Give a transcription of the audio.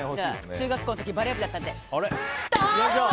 中学校でバレー部だったので。